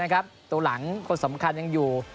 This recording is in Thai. ตัวหลังคนสำคัญยังอยู่